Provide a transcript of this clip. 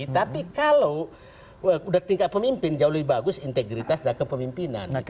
tapi kalau udah tingkat pemimpin jauh lebih bagus integritas dan kepemimpinan